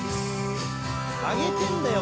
挙げてんだよ